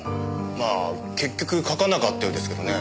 まあ結局書かなかったようですけどね。